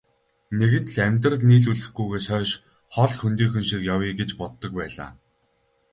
Нэгэнт л амьдрал нийлүүлэхгүйгээс хойш хол хөндийхөн шиг явъя гэж боддог байлаа.